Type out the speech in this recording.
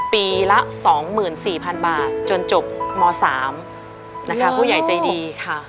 ปีละ๒๔๐๐๐บาทจนจบม๓นะคะผู้ใหญ่ใจดีค่ะ